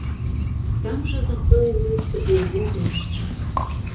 Там жа захоўваюцца і яго мошчы.